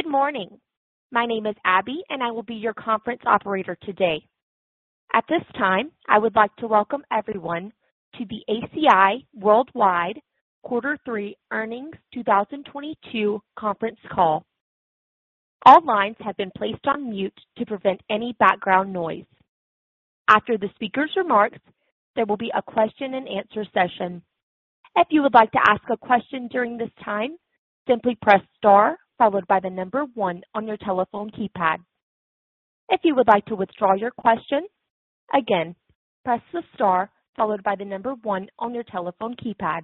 Good morning. My name is Abby, and I will be your conference operator today. At this time, I would like to welcome everyone to the ACI Worldwide Quarter Three Earnings 2022 conference call. All lines have been placed on mute to prevent any background noise. After the speaker's remarks, there will be a question-and-answer session. If you would like to ask a question during this time, simply press star followed by the number one on your telephone keypad. If you would like to withdraw your question, again, press the star followed by the number one on your telephone keypad.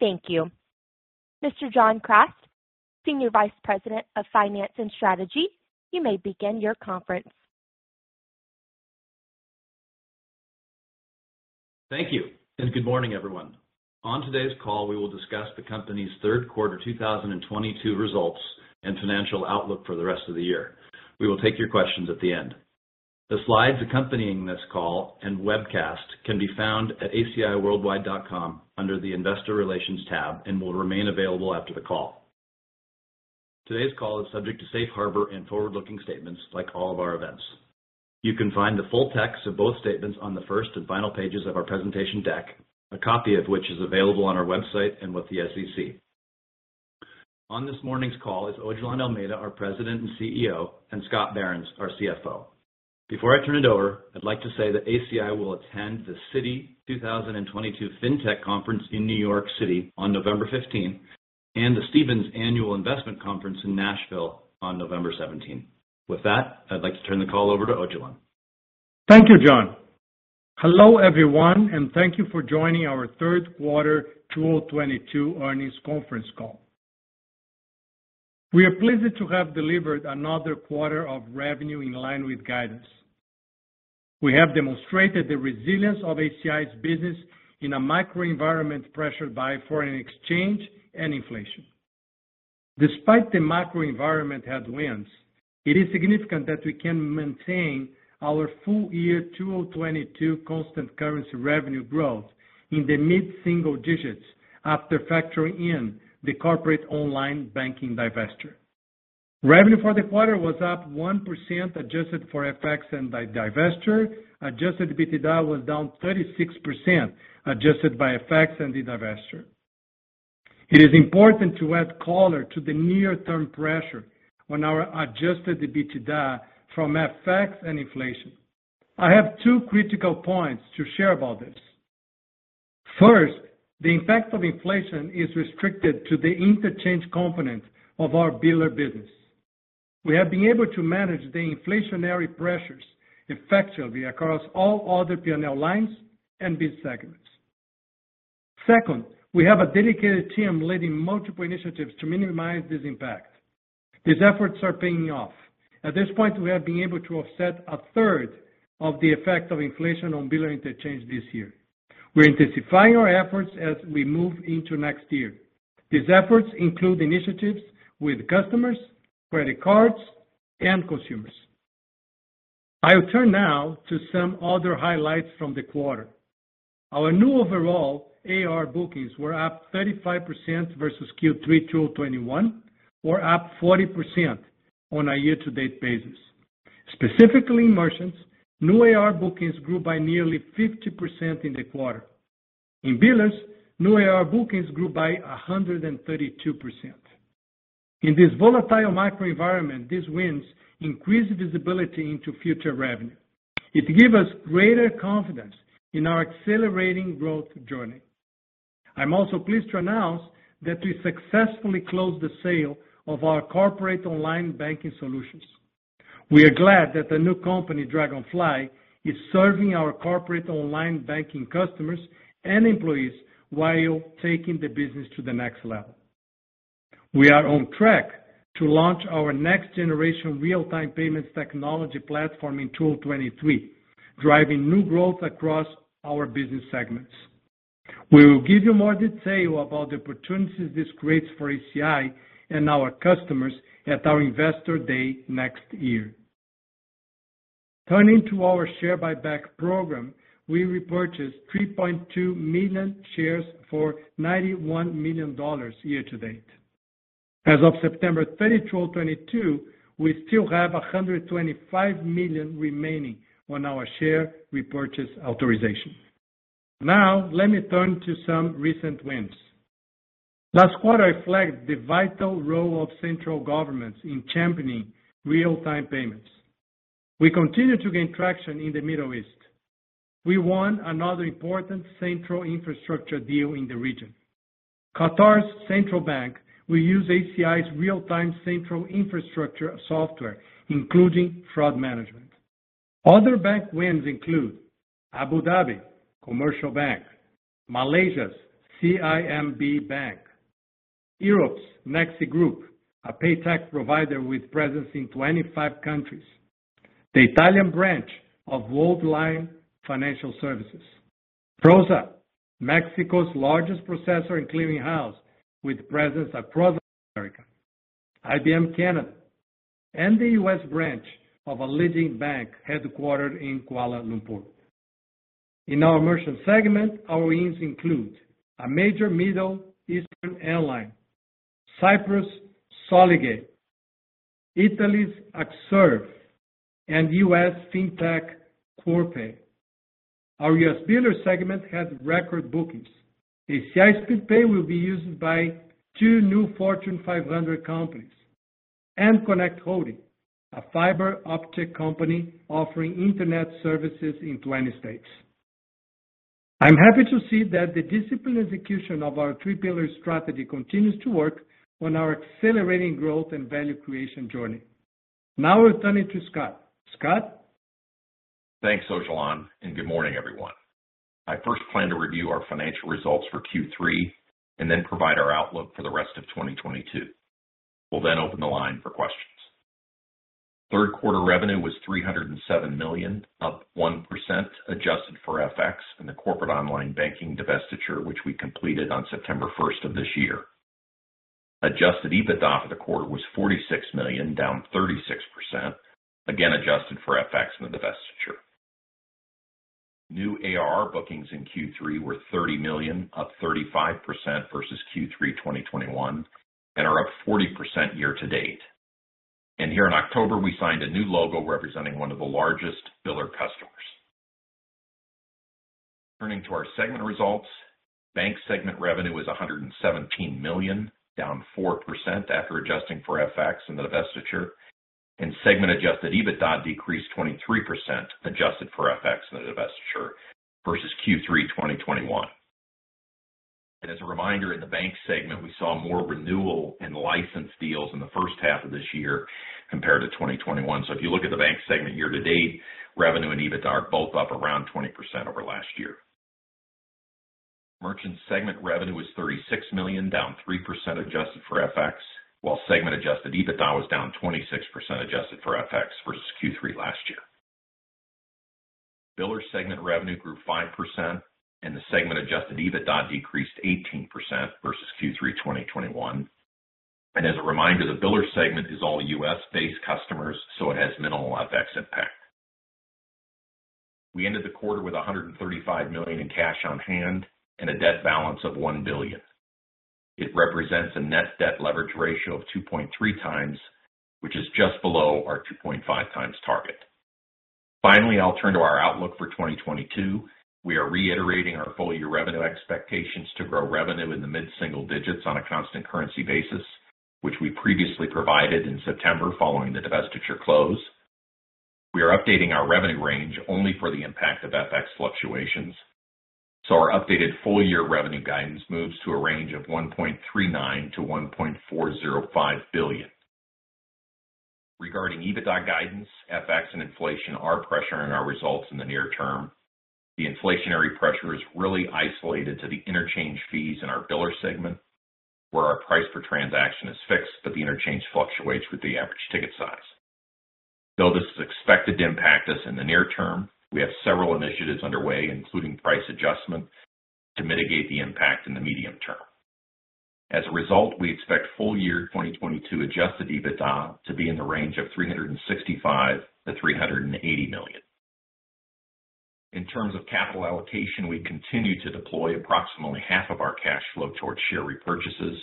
Thank you. Mr. John Kraft, Senior Vice President of Finance and Strategy, you may begin your conference. Thank you, and good morning, everyone. On today's call, we will discuss the company's third quarter 2022 results and financial outlook for the rest of the year. We will take your questions at the end. The slides accompanying this call and webcast can be found at aciworldwide.com under the Investor Relations tab and will remain available after the call. Today's call is subject to safe harbor and forward-looking statements, like all of our events. You can find the full text of both statements on the first and final pages of our presentation deck, a copy of which is available on our website and with the SEC. On this morning's call is Odilon Almeida, our President and CEO, and Scott Behrens, our CFO. Before I turn it over, I'd like to say that ACI will attend the Citi 2022 FinTech Conference in New York City on November fifteenth and the Stephens Annual Investment Conference in Nashville on November seventeenth. With that, I'd like to turn the call over to Odilon. Thank you, John. Hello, everyone, and thank you for joining our third quarter 2022 earnings conference call. We are pleased to have delivered another quarter of revenue in line with guidance. We have demonstrated the resilience of ACI's business in a macro environment pressured by foreign exchange and inflation. Despite the macro environment headwinds, it is significant that we can maintain our full year 2022 constant currency revenue growth in the mid-single digits after factoring in the corporate online banking divestiture. Revenue for the quarter was up 1% adjusted for FX and by divestiture. Adjusted EBITDA was down 36%, adjusted for effects and the divestiture. It is important to add color to the near-term pressure on our adjusted EBITDA from FX and inflation. I have two critical points to share about this. First, the impact of inflation is restricted to the interchange component of our biller business. We have been able to manage the inflationary pressures effectively across all other P&L lines and bid segments. Second, we have a dedicated team leading multiple initiatives to minimize this impact. These efforts are paying off. At this point, we have been able to offset a third of the effect of inflation on biller interchange this year. We're intensifying our efforts as we move into next year. These efforts include initiatives with customers, credit cards, and consumers. I'll turn now to some other highlights from the quarter. Our new overall AR bookings were up 35% versus Q3 2021 or up 40% on a year-to-date basis. Specifically in merchants, new AR bookings grew by nearly 50% in the quarter. In billers, new AR bookings grew by 132%. In this volatile macro environment, these wins increase visibility into future revenue. It give us greater confidence in our accelerating growth journey. I'm also pleased to announce that we successfully closed the sale of our corporate online banking solutions. We are glad that the new company, Dragonfly, is serving our corporate online banking customers and employees while taking the business to the next level. We are on track to launch our next generation real-time payments technology platform in 2023, driving new growth across our business segments. We will give you more detail about the opportunities this creates for ACI and our customers at our Investor Day next year. Turning to our share buyback program, we repurchased 3.2 million shares for $91 million year to date. As of September 30, 2022, we still have $125 million remaining on our share repurchase authorization. Now let me turn to some recent wins. Last quarter, I flagged the vital role of central governments in championing real-time payments. We continue to gain traction in the Middle East. We won another important central infrastructure deal in the region. Qatar's central bank will use ACI's real-time central infrastructure software, including Fraud Management. Other bank wins include Abu Dhabi Commercial Bank, Malaysia's CIMB Bank, Europe's Nexi Group, a PayTech provider with presence in 25 countries, the Italian branch of Worldline Financial Services, Prosa, Mexico's largest processor and clearinghouse with presence across America, IBM Canada, and the U.S. branch of a leading bank headquartered in Kuala Lumpur. In our merchant segment, our wins include a major Middle Eastern airline, Cyprus' JCC Payment Systems, Italy's Axerve, and U.S. FinTech Corpay. Our U.S. biller segment had record bookings. ACI Speedpay will be used by two new Fortune 500 companies, and Conexon Connect, a fiber optic company offering internet services in 20 states. I'm happy to see that the disciplined execution of our three-pillar strategy continues to work on our accelerating growth and value creation journey. Now I'll turn it to Scott. Scott? Thanks, Odilon, and good morning, everyone. I first plan to review our financial results for Q3 and then provide our outlook for the rest of 2022. We'll then open the line for questions. Third quarter revenue was $307 million, up 1% adjusted for FX and the corporate online banking divestiture, which we completed on September 1 of this year. Adjusted EBITDA for the quarter was $46 million, down 36%, again, adjusted for FX and the divestiture. New ARR bookings in Q3 were $30 million, up 35% versus Q3 2021 and are up 40% year to date. Here in October, we signed a new logo representing one of the largest biller customers. Turning to our segment results, bank segment revenue is $117 million, down 4% after adjusting for FX and the divestiture, and segment adjusted EBITDA decreased 23% adjusted for FX and the divestiture versus Q3 2021. As a reminder, in the bank segment, we saw more renewal and license deals in the first half of this year compared to 2021. If you look at the bank segment year to date, revenue and EBITDA are both up around 20% over last year. Merchant segment revenue is $36 million, down 3% adjusted for FX, while segment adjusted EBITDA was down 26% adjusted for FX versus Q3 last year. Biller segment revenue grew 5%, and the segment adjusted EBITDA decreased 18% versus Q3 2021. As a reminder, the biller segment is all U.S.-based customers, so it has minimal FX impact. We ended the quarter with $135 million in cash on hand and a debt balance of $1 billion. It represents a net debt leverage ratio of 2.3x, which is just below our 2.5x target. Finally, I'll turn to our outlook for 2022. We are reiterating our full-year revenue expectations to grow revenue in the mid-single digits on a constant currency basis, which we previously provided in September following the divestiture close. We are updating our revenue range only for the impact of FX fluctuations. Our updated full year revenue guidance moves to a range of $1.39 to $1.405 billion. Regarding EBITDA guidance, FX and inflation are pressuring our results in the near term. The inflationary pressure is really isolated to the interchange fees in our biller segment, where our price per transaction is fixed, but the interchange fluctuates with the average ticket size. Though this is expected to impact us in the near term, we have several initiatives underway, including price adjustment, to mitigate the impact in the medium term. As a result, we expect full year 2022 adjusted EBITDA to be in the range of $365 million to $380 million. In terms of capital allocation, we continue to deploy approximately half of our cash flow towards share repurchases.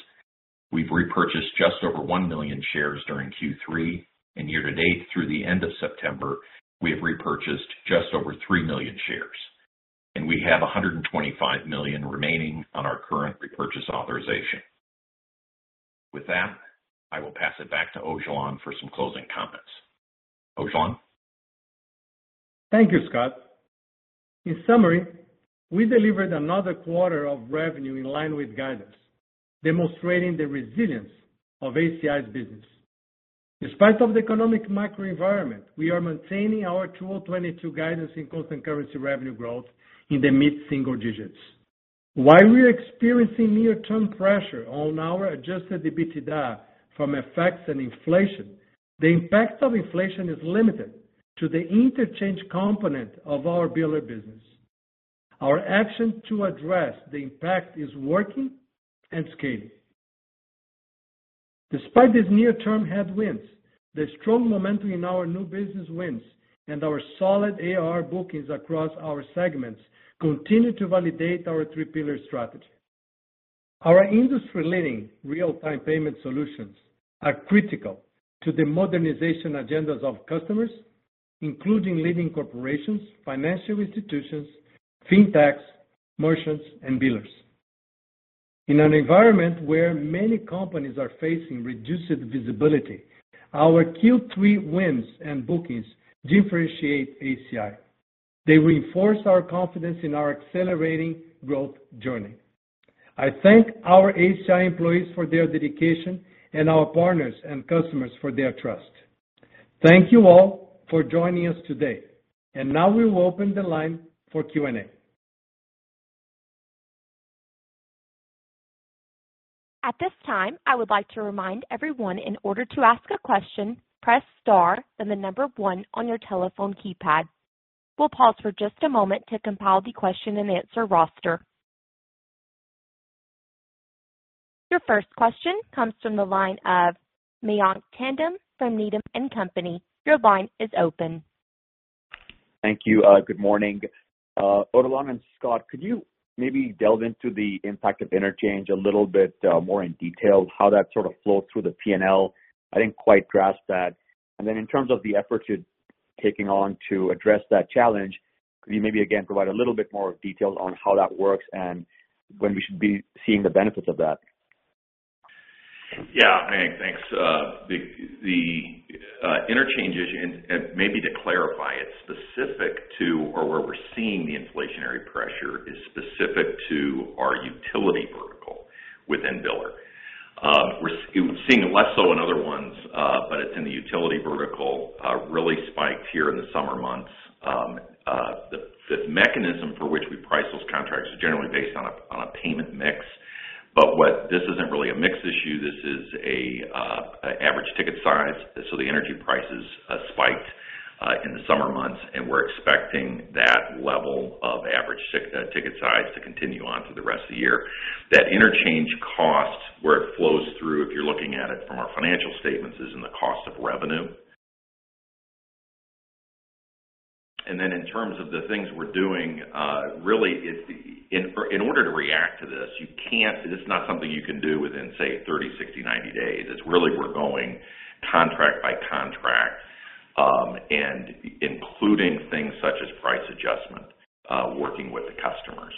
We've repurchased just over 1 million shares during Q3 and year to date through the end of September, we have repurchased just over 3 million shares, and we have $125 million remaining on our current repurchase authorization. With that, I will pass it back to Odilon for some closing comments. Odilon? Thank you, Scott. In summary, we delivered another quarter of revenue in line with guidance, demonstrating the resilience of ACI's business. In spite of the economic macro environment, we are maintaining our 2022 guidance in constant currency revenue growth in the mid-single digits. While we're experiencing near-term pressure on our adjusted EBITDA from FX effects and inflation, the impact of inflation is limited to the interchange component of our biller business. Our action to address the impact is working and scaling. Despite these near-term headwinds, the strong momentum in our new business wins and our solid ARR bookings across our segments continue to validate our three-pillar strategy. Our industry-leading real-time payment solutions are critical to the modernization agendas of customers, including leading corporations, financial institutions, fintechs, merchants, and billers. In an environment where many companies are facing reduced visibility, our Q3 wins and bookings differentiate ACI. They reinforce our confidence in our accelerating growth journey. I thank our ACI employees for their dedication and our partners and customers for their trust. Thank you all for joining us today. Now we will open the line for Q&A. At this time, I would like to remind everyone in order to ask a question, press star then the number one on your telephone keypad. We'll pause for just a moment to compile the question-and-answer roster. Your first question comes from the line of Mayank Tandon from Needham & Company. Your line is open. Thank you. Good morning. Odilon and Scott, could you maybe delve into the impact of interchange a little bit more in detail how that sort of flows through the P&L? I didn't quite grasp that. Then in terms of the efforts you're taking on to address that challenge, could you maybe again provide a little bit more detail on how that works and when we should be seeing the benefits of that? Yeah. Hey, thanks. The interchange is, and maybe to clarify, it's specific to where we're seeing the inflationary pressure is specific to our utility vertical within biller. We're seeing less so in other ones, but it's in the utility vertical, really spiked here in the summer months. The mechanism for which we price those contracts is generally based on a payment mix. But this isn't really a mix issue, this is an average ticket size, so the energy prices spiked in the summer months, and we're expecting that level of average ticket size to continue on through the rest of the year. That interchange cost, where it flows through, if you're looking at it from our financial statements, is in the cost of revenue. In terms of the things we're doing, in order to react to this, you can't. It's not something you can do within, say, 30, 60, 90 days. It's really we're going contract by contract, and including things such as price adjustment, working with the customers.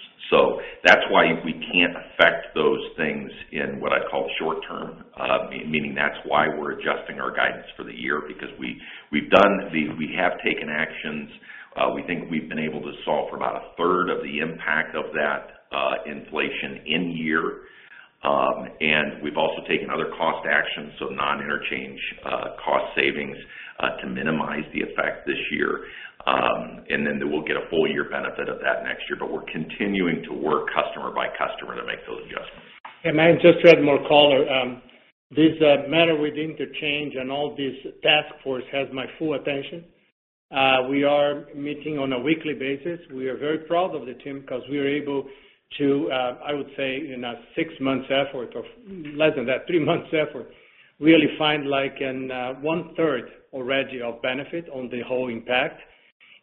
That's why we can't affect those things in what I'd call short term, meaning that's why we're adjusting our guidance for the year because we've taken actions. We think we've been able to solve for about a third of the impact of that inflation this year. And we've also taken other cost actions, non-interchange cost savings, to minimize the effect this year. Then we'll get a full year benefit of that next year. We're continuing to work customer by customer to make those adjustments. I just to add more color. This matter with interchange and all this task force has my full attention. We are meeting on a weekly basis. We are very proud of the team because we are able to, I would say in a six months effort or less than that, three months effort, really find like in, one third already of benefit on the whole impact.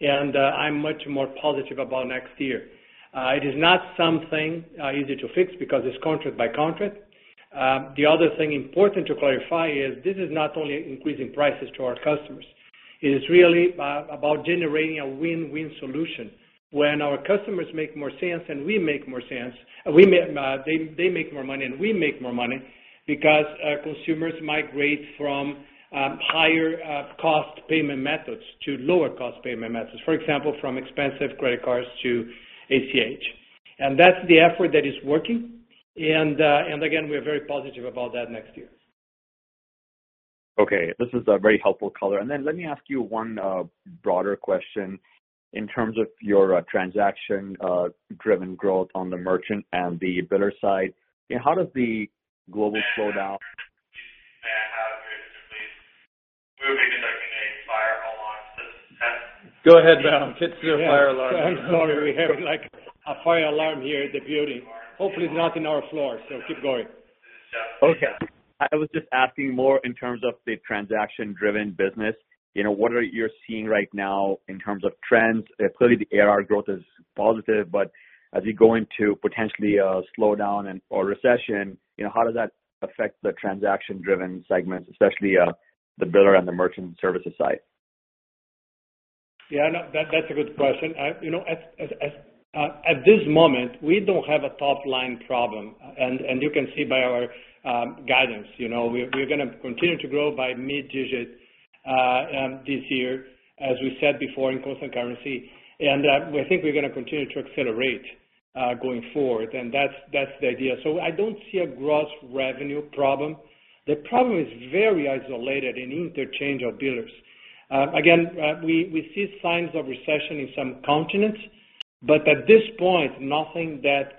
I'm much more positive about next year. It is not something easy to fix because it's contract by contract. The other thing important to clarify is this is not only increasing prices to our customers. It is really about generating a win-win solution. When our customers make more cents and we make more cents, they make more money and we make more money because consumers migrate from higher cost payment methods to lower cost payment methods, for example, from expensive credit cards to ACH. That's the effort that is working. We are very positive about that next year. Okay, this is a very helpful color. Let me ask you one broader question. In terms of your transaction driven growth on the merchant and the biller side, how does the global slowdown? May I interrupt please. We will be conducting a fire alarm system test. Go ahead, Mayank. It's your fire alarm. I'm sorry. We have like a fire alarm here at the building. Hopefully it's not in our floor, so keep going. Okay. I was just asking more in terms of the transaction driven business. You know, what are you seeing right now in terms of trends? Clearly, the ARR growth is positive, but as you go into potentially a slowdown and/or recession, you know, how does that affect the transaction driven segments, especially, the biller and the merchant services side? Yeah, no, that's a good question. You know, at this moment, we don't have a top line problem. You can see by our guidance, you know, we're gonna continue to grow by mid-digit this year, as we said before in constant currency. We think we're gonna continue to accelerate going forward. That's the idea. I don't see a gross revenue problem. The problem is very isolated in interchange of billers. We see signs of recession in some continents, but at this point, nothing that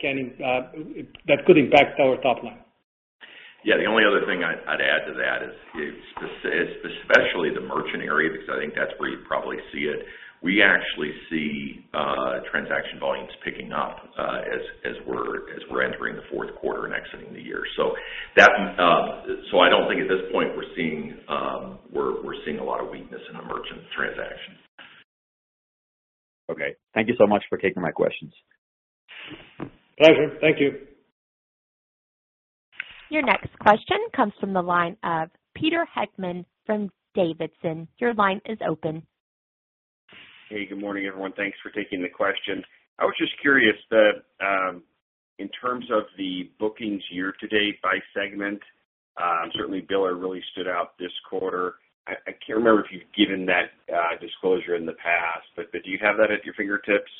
could impact our top line. Yeah, the only other thing I'd add to that is it's especially the merchant area, because I think that's where you probably see it. We actually see transaction volumes picking up as we're entering the fourth quarter and exiting the year. I don't think at this point we're seeing a lot of weakness in the merchant transactions. Okay. Thank you so much for taking my questions. Pleasure. Thank you. Your next question comes from the line of Peter Heckmann from D.A. Davidson. Your line is open. Hey, good morning, everyone. Thanks for taking the question. I was just curious that in terms of the bookings year to date by segment, certainly Biller really stood out this quarter. I can't remember if you've given that disclosure in the past, but do you have that at your fingertips?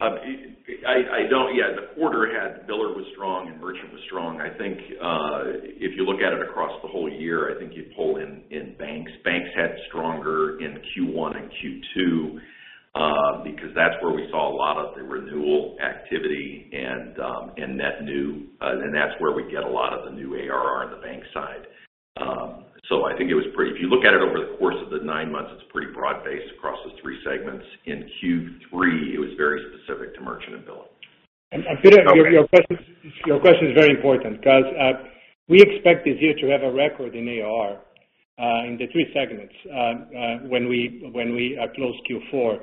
Yeah, the quarter. Biller was strong and merchant was strong. I think, if you look at it across the whole year, I think you pull in banks. Banks had stronger in Q1 and Q2, because that's where we saw a lot of the renewal activity and net new, and that's where we get a lot of the new ARR on the bank side. If you look at it over the course of the nine months, it's pretty broad-based across those three segments. In Q3, it was very specific to merchant and biller. Peter, your question is very important because we expect this year to have a record in ARR in the three segments when we close Q4.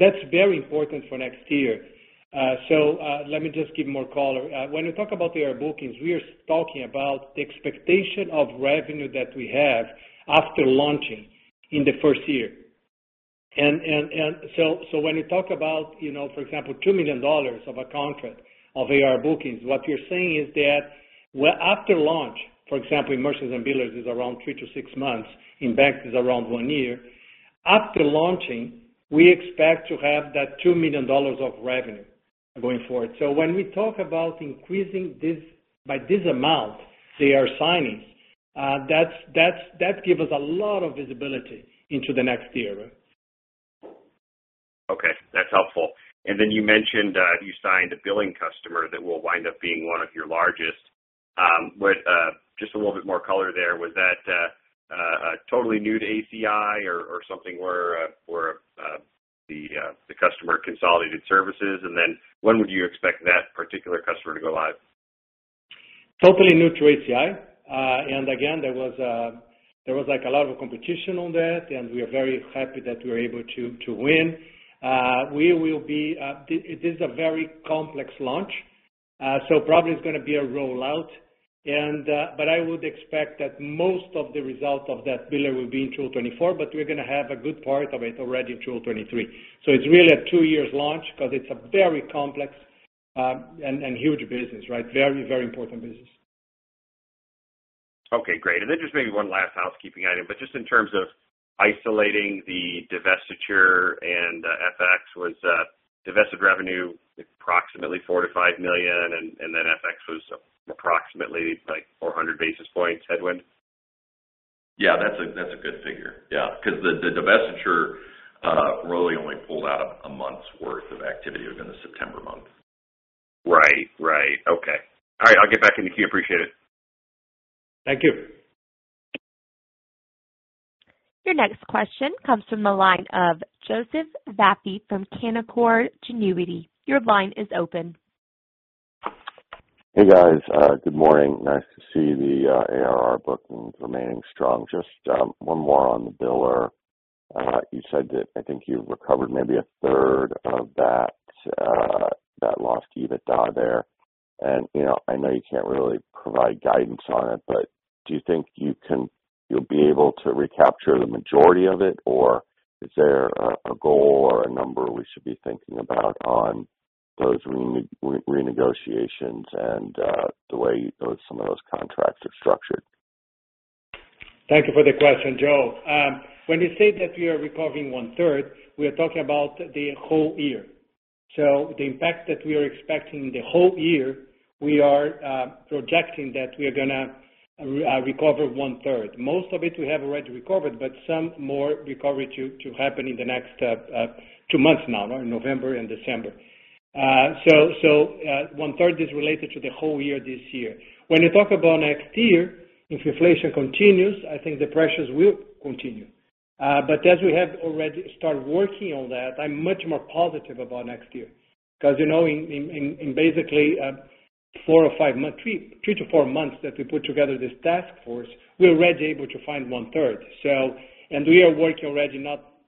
That's very important for next year. Let me just give more color. When we talk about the ARR bookings, we are talking about the expectation of revenue that we have after launching in the first year. When you talk about, you know, for example, $2 million of a contract of ARR bookings, what you're saying is that after launch, for example, in merchants and billers is around 3 to 6 months, in banks is around 1 year. After launching, we expect to have that $2 million of revenue going forward. When we talk about increasing this by this amount, the ARR signings, that give us a lot of visibility into the next year. Okay, that's helpful. You mentioned you signed a billing customer that will wind up being one of your largest. Would just a little bit more color there. Was that totally new to ACI or something where the customer consolidated services? When would you expect that particular customer to go live? Totally new to ACI. There was like a lot of competition on that, and we are very happy that we were able to win. It is a very complex launch, so probably it's gonna be a rollout. I would expect that most of the result of that biller will be in 2024, but we're gonna have a good part of it already in 2023. It's really a two years launch because it's a very complex and huge business, right? Very important business. Okay, great. Just maybe one last housekeeping item. Just in terms of isolating the divestiture and FX, was divested revenue approximately $4 million to $5 million, and then FX was approximately like 400 basis points headwind? Yeah, that's a good figure. Yeah. 'Cause the divestiture really only pulled out a month's worth of activity within the September month. Right. Okay. All right, I'll get back in the queue. Appreciate it. Thank you. Your next question comes from the line of Joseph Vafi from Canaccord Genuity. Your line is open. Hey, guys. Good morning. Nice to see the ARR bookings remaining strong. Just one more on the biller. You said that I think you've recovered maybe a third of that lost EBITDA there. You know, I know you can't really provide guidance on it, but do you think you'll be able to recapture the majority of it? Or is there a goal or a number we should be thinking about on those renegotiations and the way some of those contracts are structured? Thank you for the question, Joe. When you say that we are recovering one-third, we are talking about the whole year. The impact that we are expecting the whole year, we are projecting that we are gonna recover one-third. Most of it we have already recovered, but some more recovery to happen in the next two months now, November and December. One-third is related to the whole year this year. When you talk about next year, if inflation continues, I think the pressures will continue. As we have already started working on that, I'm much more positive about next year. Because, you know, in basically four or five months, three to four months that we put together this task force, we're already able to find one-third. We are working already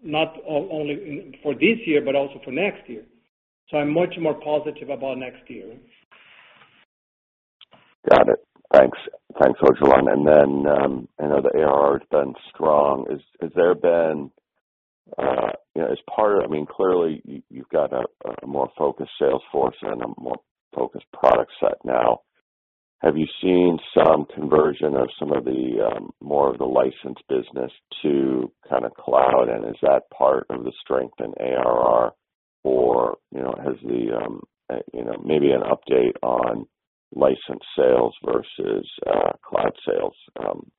not only for this year, but also for next year. I'm much more positive about next year. Got it. Thanks. Thanks, Odilon. I know the ARR has been strong. I mean, clearly you've got a more focused sales force and a more focused product set now. Have you seen some conversion of more of the licensed business to kind of cloud? Is that part of the strength in ARR or has there maybe an update on licensed sales versus cloud sales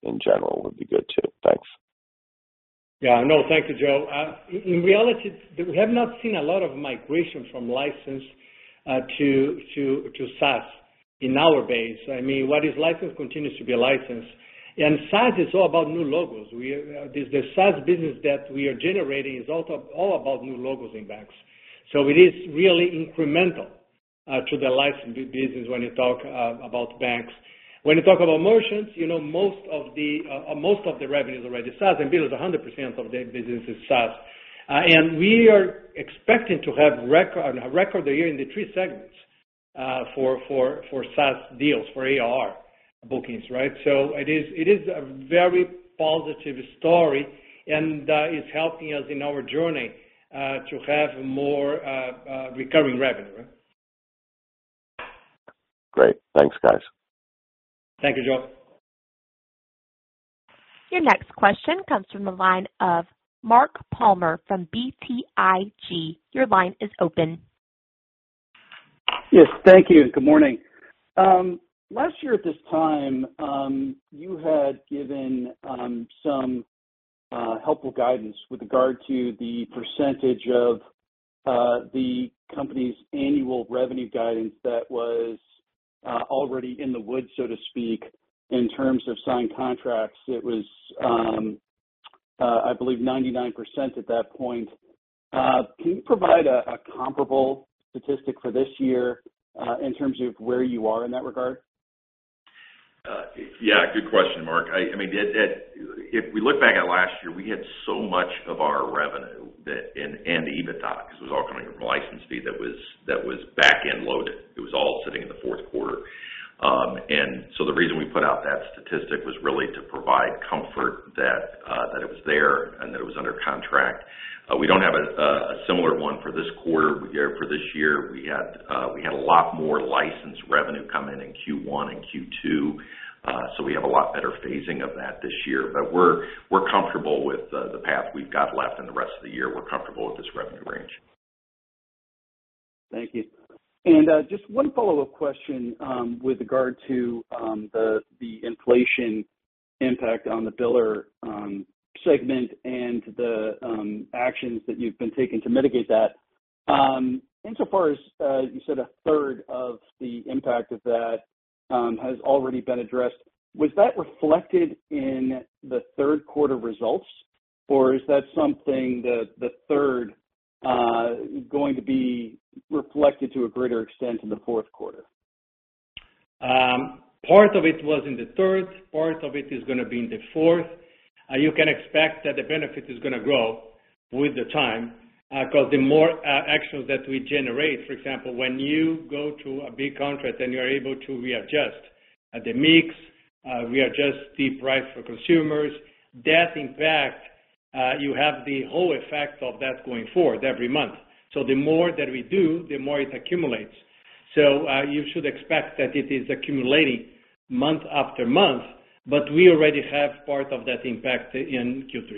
in general would be good too. Thanks. Yeah. No, thank you, Joe. In reality, we have not seen a lot of migration from licensed to SaaS in our base. I mean, what is licensed continues to be licensed. SaaS is all about new logos. The SaaS business that we are generating is also all about new logos in banks. It is really incremental to the licensed business when you talk about banks. When you talk about merchants, you know, most of the revenue is already SaaS, and billers, 100% of their business is SaaS. We are expecting to have a record year in the three segments for SaaS deals, for ARR bookings, right? It is a very positive story and is helping us in our journey to have more recurring revenue. Great. Thanks, guys. Thank you, Joe. Your next question comes from the line of Mark Palmer from BTIG. Your line is open. Yes. Thank you. Good morning. Last year at this time, you had given, some helpful guidance with regard to the percentage of the company's annual revenue guidance that was already in the books, so to speak, in terms of signed contracts. It was, I believe, 99% at that point. Can you provide a comparable statistic for this year in terms of where you are in that regard? Yeah, good question, Mark. I mean, it... If we look back at last year, we had so much of our revenue and EBITDA, because it was all coming from license fee that was back-end loaded. It was all sitting in the fourth quarter. The reason we put out that statistic was really to provide comfort that it was there and that it was under contract. We don't have a similar one for this quarter or for this year. We had a lot more licensed revenue come in in Q1 and Q2. We have a lot better phasing of that this year. We're comfortable with the path we've got left, and the rest of the year, we're comfortable with this revenue range. Thank you. Just one follow-up question with regard to the inflation impact on the biller segment and the actions that you've been taking to mitigate that. Insofar as you said a third of the impact of that has already been addressed, was that reflected in the third quarter results, or is that something that is going to be reflected to a greater extent in the fourth quarter? Part of it was in the third. Part of it is gonna be in the fourth. You can expect that the benefit is gonna grow with the time, because the more actions that we generate, for example, when you go to a big contract and you're able to readjust the mix, readjust the price for consumers, that impact, you have the whole effect of that going forward every month. The more that we do, the more it accumulates. You should expect that it is accumulating month after month, but we already have part of that impact in Q3.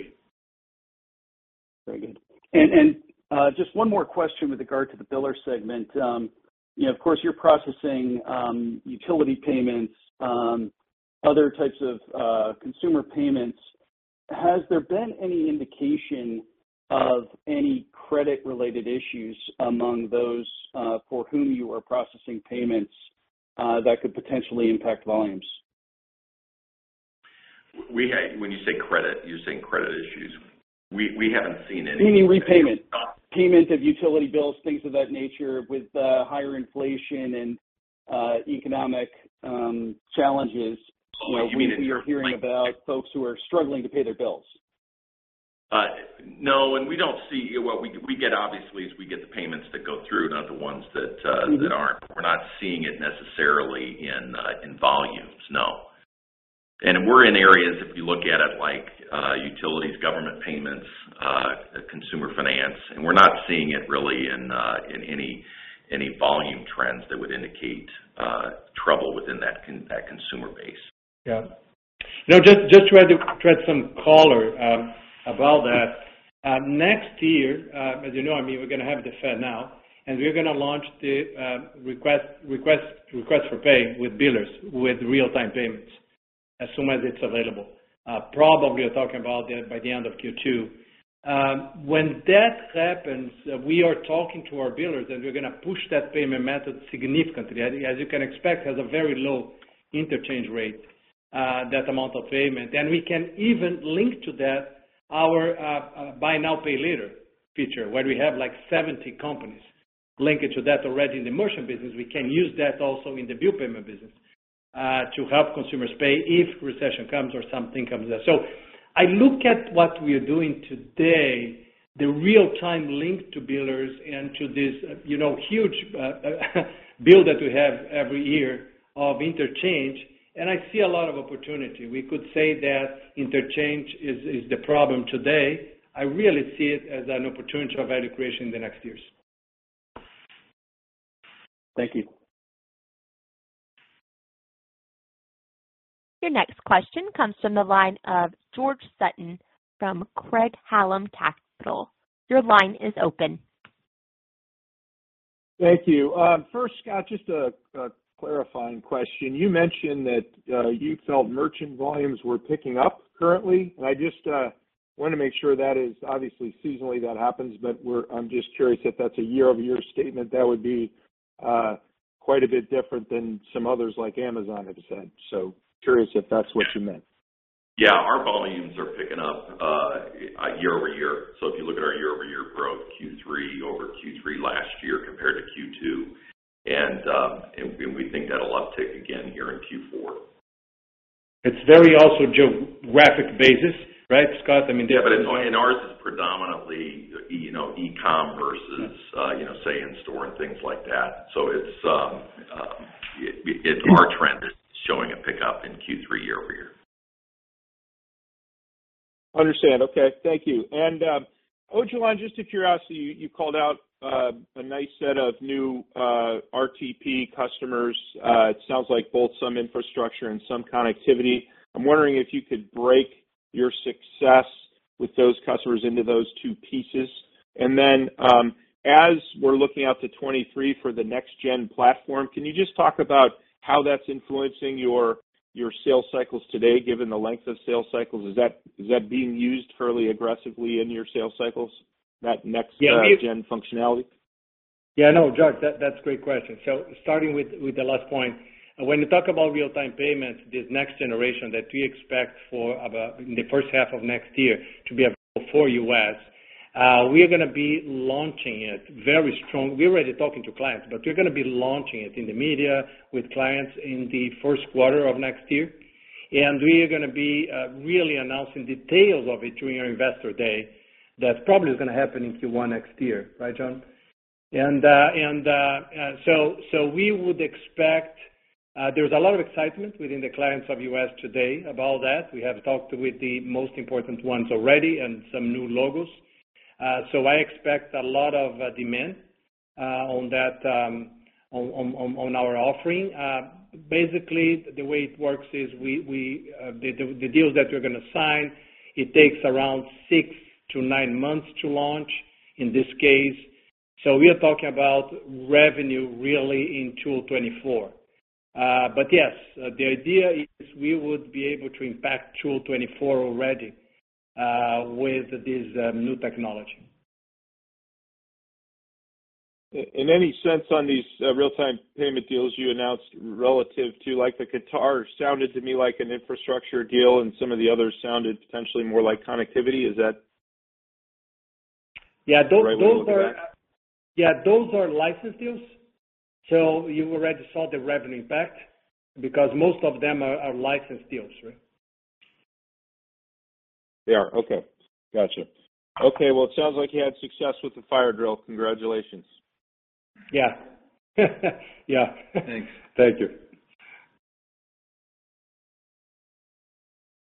Very good. Just one more question with regard to the biller segment. You know, of course, you're processing utility payments, other types of consumer payments. Has there been any indication of any credit-related issues among those for whom you are processing payments that could potentially impact volumes? When you say credit, you're saying credit issues. We haven't seen any repayment. Meaning repayment. Payment of utility bills, things of that nature with higher inflation and economic challenges. You know, we are hearing about folks who are struggling to pay their bills. No, we don't see what we get obviously is we get the payments that go through, not the ones that aren't. We're not seeing it necessarily in volumes. No. We're in areas, if you look at it, like utilities, government payments, consumer finance, and we're not seeing it really in any volume trends that would indicate trouble within that consumer base. Yeah. Now, just to address some color about that. Next year, as you know, I mean, we're gonna have the FedNow, and we're gonna launch the Request to Pay with billers with real-time payments as soon as it's available. Probably we're talking about by the end of Q2. When that happens, we are talking to our billers, and we're gonna push that payment method significantly. As you can expect, has a very low interchange rate, that amount of payment. And we can even link that to our Buy Now, Pay Later feature, where we have, like, 70 companies linked to that already in the merchant business. We can use that also in the bill payment business to help consumers pay if recession comes or something comes up. I look at what we are doing today, the real-time link to billers and to this, you know, huge bill that we have every year of interchange, and I see a lot of opportunity. We could say that interchange is the problem today. I really see it as an opportunity of value creation in the next years. Thank you. Your next question comes from the line of George Sutton from Craig-Hallum Capital. Your line is open. Thank you. First, Scott, just a clarifying question. You mentioned that you felt merchant volumes were picking up currently. I just wanna make sure that is obviously seasonally that happens, but I'm just curious if that's a year-over-year statement. That would be quite a bit different than some others like Amazon have said. Curious if that's what you meant. Yeah. Our volumes are picking up year-over-year. If you look at our year-over-year growth, Q3 over Q3 last year compared to Q2, and we think that'll uptick again here in Q4. It's very also geographic basis, right, Scott? I mean. Yeah, it's only. Ours is predominantly, you know, e-commerce as, you know, say in store and things like that. It's our trend is showing a pickup in Q3 year-over-year. Understand. Okay. Thank you. Odilon, just curiosity, you called out a nice set of new RTP customers. It sounds like both some infrastructure and some connectivity. I'm wondering if you could break your success with those customers into those two pieces. As we're looking out to 2023 for the next-gen platform, can you just talk about how that's influencing your sales cycles today, given the length of sales cycles? Is that being used fairly aggressively in your sales cycles, that next- Yeah. Gen functionality? Yeah, I know, George. That's a great question. Starting with the last point, when you talk about real-time payments, this next generation that we expect in the first half of next year to be available for U.S., we are gonna be launching it very strong. We're already talking to clients, but we're gonna be launching it in the market with clients in the first quarter of next year. We are gonna be really announcing details of it during our investor day. That probably is gonna happen in Q1 next year, right, John? So we would expect. There's a lot of excitement within the clients of U.S. today about that. We have talked with the most important ones already and some new logos. I expect a lot of demand on that on our offering. Basically, the way it works is the deals that we're gonna sign, it takes around 6 to 9 months to launch in this case. We are talking about revenue really in 2024. Yes, the idea is we would be able to impact 2024 already with this new technology. In any sense on these real-time payments deals you announced relative to like the Qatar sounded to me like an infrastructure deal, and some of the others sounded potentially more like connectivity. Is that- Yeah. Those are. the right way to look at that? Yeah. Those are license deals. You already saw the revenue impact because most of them are license deals, right? They are. Okay. Gotcha. Okay. Well, it sounds like you had success with the fire drill. Congratulations. Yeah. Yeah. Thanks. Thank you.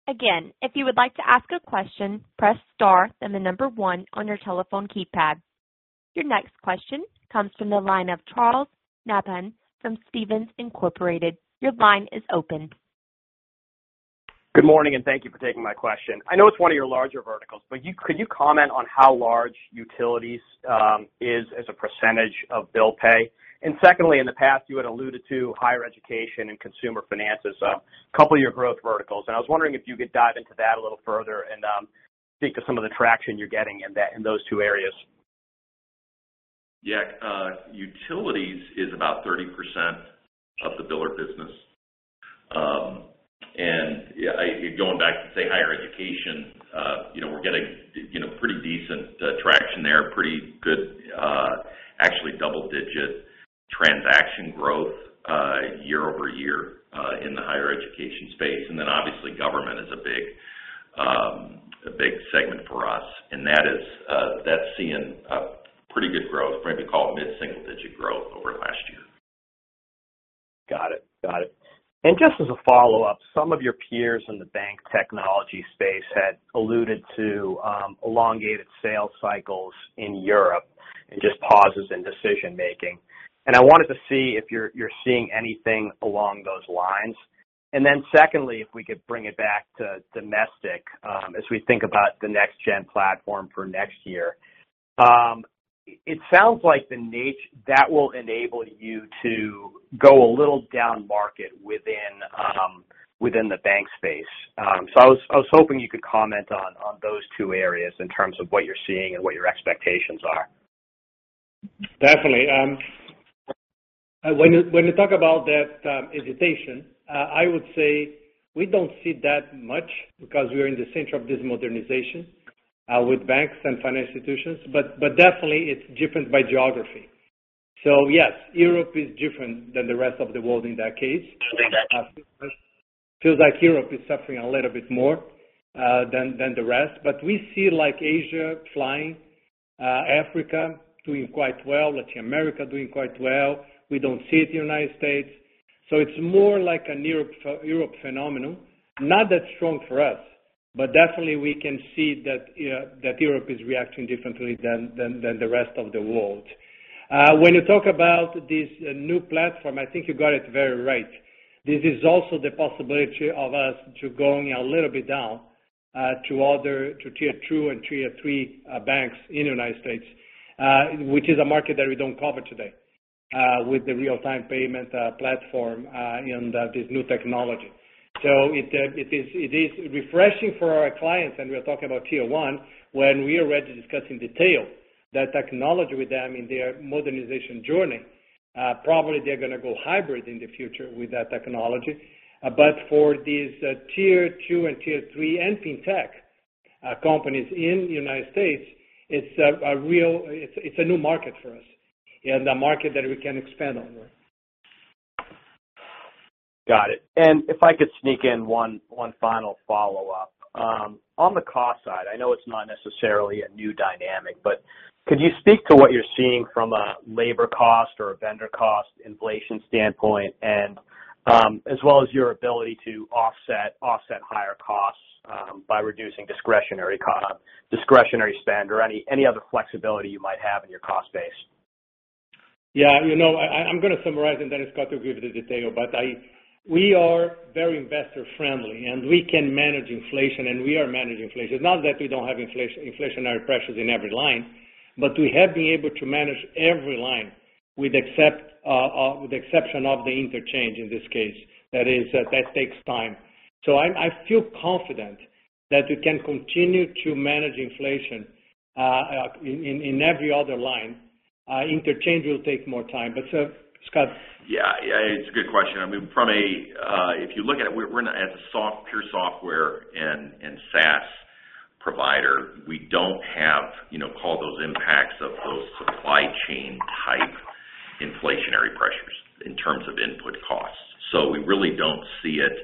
Again, if you would like to ask a question, press star, then the number one on your telephone keypad. Your next question comes from the line of Charles Nabhan from Stephens Inc. Your line is open. Good morning, and thank you for taking my question. I know it's one of your larger verticals, but can you comment on how large utilities is as a percentage of bill pay? Secondly, in the past, you had alluded to higher education and consumer finances a couple of your growth verticals. I was wondering if you could dive into that a little further and speak to some of the traction you're getting in those two areas. Yeah. Utilities is about 30% of the biller business. Going back to, say, higher education, you know, we're getting, you know, pretty decent traction there, pretty good, actually double-digit transaction growth year-over-year in the higher education space. Obviously government is a big segment for us, and that is seeing a pretty good growth. Maybe call it mid-single digit growth over the last year. Got it. Just as a follow-up, some of your peers in the bank technology space had alluded to elongated sales cycles in Europe and just pauses in decision-making. I wanted to see if you're seeing anything along those lines. Then secondly, if we could bring it back to domestic, as we think about the next gen platform for next year, it sounds like that will enable you to go a little down market within the bank space. I was hoping you could comment on those two areas in terms of what you're seeing and what your expectations are. Definitely. When you talk about that hesitation, I would say we don't see that much because we're in the center of this modernization with banks and financial institutions. Definitely it's different by geography. Yes, Europe is different than the rest of the world in that case. I was gonna say that. Feels like Europe is suffering a little bit more than the rest. We see like Asia flying, Africa doing quite well, Latin America doing quite well. We don't see it in the United States. It's more like a Europe phenomenon. Not that strong for us, but definitely we can see that Europe is reacting differently than the rest of the world. When you talk about this new platform, I think you got it very right. This is also the possibility of us to going a little bit down to other tier two and tier three banks in the United States, which is a market that we don't cover today with the real-time payment platform and this new technology. It is refreshing for our clients, and we are talking about tier one when we already discuss in detail that technology with them in their modernization journey. Probably they're gonna go hybrid in the future with that technology. For these tier two and tier three and fintech companies in the United States, it's a new market for us and a market that we can expand on. Got it. If I could sneak in one final follow-up. On the cost side, I know it's not necessarily a new dynamic, but could you speak to what you're seeing from a labor cost or a vendor cost inflation standpoint, and as well as your ability to offset higher costs by reducing discretionary spend or any other flexibility you might have in your cost base? Yeah. You know, I'm gonna summarize, and then Scott will give the detail. We are very investor friendly, and we can manage inflation, and we are managing inflation. Not that we don't have inflationary pressures in every line, but we have been able to manage every line with the exception of the interchange in this case. That is, that takes time. I feel confident that we can continue to manage inflation in every other line. Interchange will take more time. Scott. Yeah. It's a good question. I mean, from a, if you look at it, we're in a, as a pure software and SaaS provider, we don't have, you know, all those impacts of those supply chain type inflationary pressures in terms of input costs. So we really don't see it.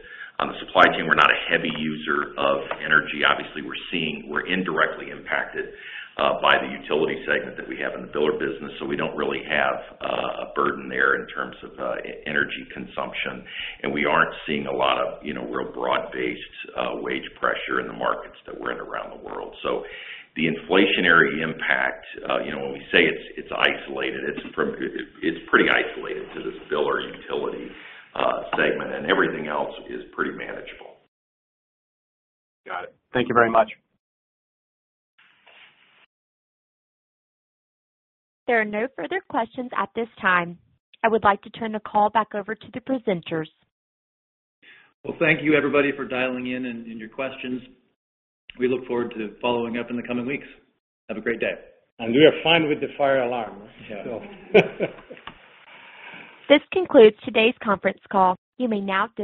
On the supply chain, we're not a heavy user of energy. Obviously, we're indirectly impacted by the utility segment that we have in the biller business, so we don't really have a burden there in terms of energy consumption. We aren't seeing a lot of, you know, real broad-based wage pressure in the markets that we're in around the world. The inflationary impact, you know, when we say it's isolated, it's pretty isolated to this biller utility segment, and everything else is pretty manageable. Got it. Thank you very much. There are no further questions at this time. I would like to turn the call back over to the presenters. Well, thank you, everybody, for dialing in and your questions. We look forward to following up in the coming weeks. Have a great day. We are fine with the fire alarm. Yeah. This concludes today's conference call. You may now.